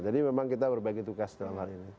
jadi memang kita berbagi tugas dalam hal ini